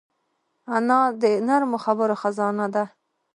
انا د نرمو خبرو خزانه ده